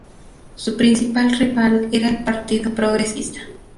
Su principal rival era el Partido Progresista.